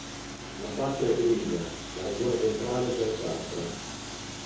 La faccia è grigia, la regione ventrale biancastra.